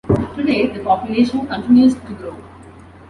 Today, the population continues to grow.